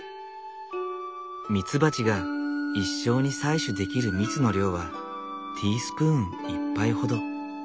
ミツバチが一生に採取できる蜜の量はティースプーン１杯ほど。